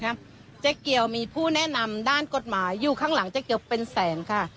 เจ๊เกียวมีผู้แนะนำด้านกฎหมายอยู่ข้างหลังเจ๊เกียวเป็นแสนค่ะ